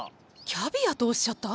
キャビアとおっしゃった？